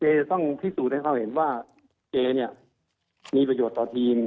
จะต้องพิสูจน์ให้เขาเห็นว่าเจเนี่ยมีประโยชน์ต่อทีม